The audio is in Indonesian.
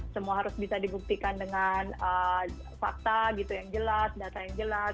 semua harus bisa dibuktikan dengan fakta gitu yang jelas data yang jelas